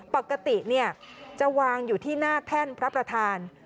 ปกติจะวางอยู่ที่หน้าแท่นพระประธาน